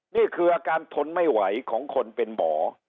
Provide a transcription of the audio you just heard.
นี่คืออาการทนไม่ไหวของคนเป็นหมอ